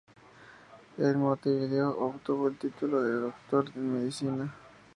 En Montevideo obtuvo el título de Doctor en Medicina.